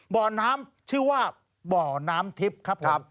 บ่อน้ำว่าบ่อน้ามทิพครับผม